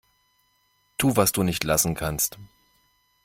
Tu, was du nicht lassen kannst.